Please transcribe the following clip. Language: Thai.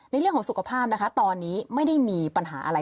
เรื่องของสุขภาพนะคะตอนนี้ไม่ได้มีปัญหาอะไร